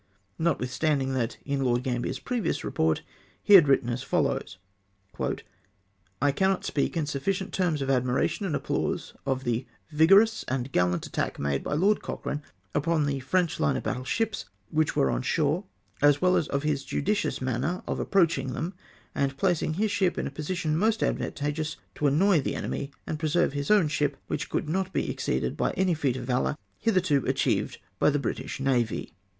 ! notwith standing that, in Lord Gambler's previous report, he had written as follows :—" I cannot speak in sufficient terms of admmition and applause of the vigorous and gallant attack made by Lord Cochrane upon the French hne of battle ships which were on shore ; as well as of his judicious manner of approaching them, and placing his ship m a position most advantageous to annoy the enemy and preserve his own ship, wliich could not be exceeded by any feat of valour hitherto achieved by the British navy."